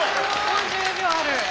４０秒ある。